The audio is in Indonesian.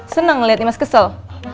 senang ngeliat imas kesel